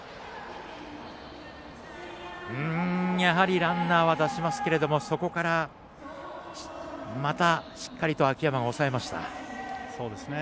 やはりランナーは出しますがそこから、またしっかりと秋山が抑えました。